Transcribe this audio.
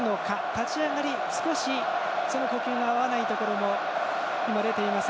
立ち上がり、少し呼吸が合わないところも出ています。